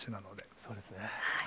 そうですね。